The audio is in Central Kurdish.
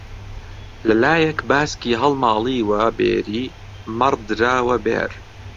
لەلایەک باسکی هەڵماڵیوە بێری مەڕ دراوە بێر